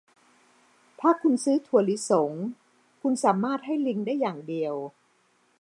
ถ้าคุณซื้อถั่วลิสง คุณสามารถให้ลิงได้อย่างเดียว